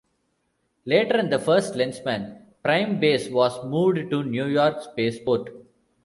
Later in "First Lensman" Prime Base was moved to New York Space Port.